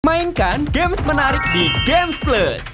mainkan games menarik di gamesplus